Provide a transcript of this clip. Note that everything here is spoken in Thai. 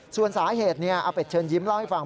ส่วนสาเหตุอาเป็ดเชิญยิ้มเล่าให้ฟัง